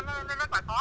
nó rất là khó